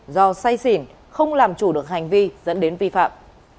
do say xỉn không làm chủ được hành vi dẫn đến vi phạm